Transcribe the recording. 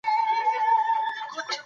کتابونه او ورځپاڼې په کابل کې چاپېدې.